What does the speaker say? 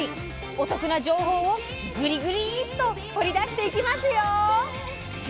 お得な情報を「グリグリ」っと掘り出していきますよ。